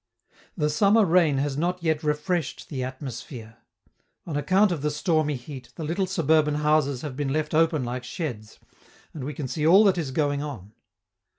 The summer rain has not yet refreshed the atmosphere. On account of the stormy heat, the little suburban houses have been left open like sheds, and we can see all that is going on.